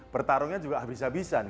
bertarungnya juga abis abisan